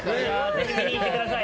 ぜひ見に行ってください。